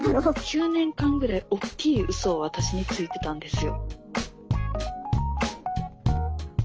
９年間ぐらいおっきいうそを私についてたんですよ。